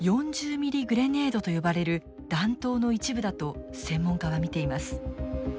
ミリグレネードと呼ばれる弾頭の一部だと専門家は見ています。